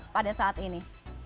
pada saat ini